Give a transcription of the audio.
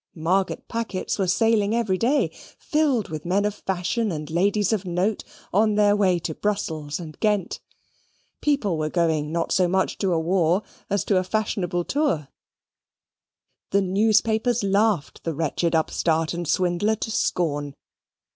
Margate packets were sailing every day, filled with men of fashion and ladies of note, on their way to Brussels and Ghent. People were going not so much to a war as to a fashionable tour. The newspapers laughed the wretched upstart and swindler to scorn.